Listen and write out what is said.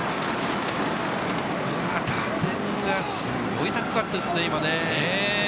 打点がすごい高かったですね、今ね。